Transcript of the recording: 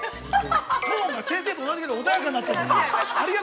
◆トーンが先生と同じで穏やかになっている。